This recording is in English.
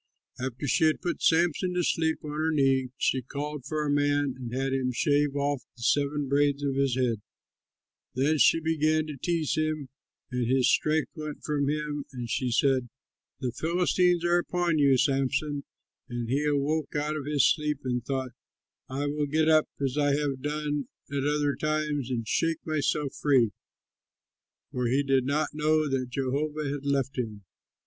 After she had put Samson to sleep on her knees, she called for a man and had him shave off the seven braids on his head. Then she began to tease him, and his strength went from him; and she said, "The Philistines are upon you, Samson!" And he awoke out of his sleep and thought, "I will get up as I have done at other times and shake myself free"; for he did not know that Jehovah had left him.